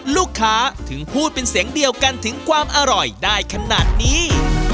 ลูกค้าถึงพูดเป็นเสียงเดียวกันถึงความอร่อยได้ขนาดนี้